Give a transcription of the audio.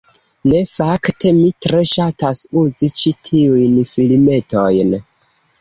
Ne, fakte, mi tre ŝatas uzi ĉi tiujn filmetojn